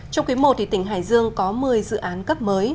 trong quý i tỉnh hải dương có một mươi dự án cấp mới